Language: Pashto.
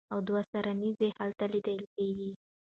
او دوه سرې نېزې هلته لیدلې کېږي.